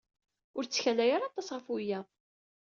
Ur ttkalay ara aṭas ɣef wiyaḍ.